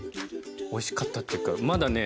おいしかったっていうかまだね